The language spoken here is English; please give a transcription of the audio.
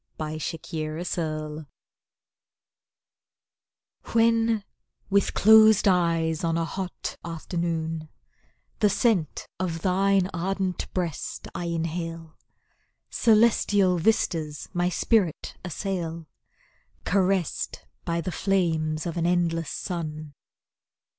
Exotic Perfume When, with closed eyes, on a hot afternoon, The scent of thine ardent breast I inhale, Celestial vistas my spirit assail; Caressed by the flames of an endless sun.